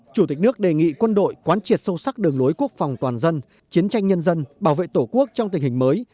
chủ tịch nước đề nghị quân đội quán triệt sâu sắc đường lối quốc phòng toàn dân chiến tranh nhân dân bảo vệ tổ quốc trong tình hình mới